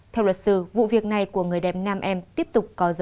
theo luật sư vụ việc này của người đẹp nam em tiếp tục có dấu hiệu